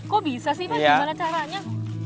kok bisa sih pak gimana caranya